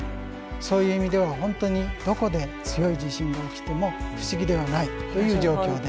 そういう意味では本当にどこで強い地震が起きても不思議ではないという状況です。